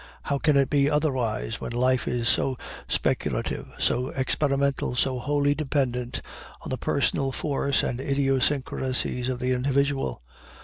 How can it be otherwise when life is so speculative, so experimental, so wholly dependent on the personal force and idiosyncrasies of the individual?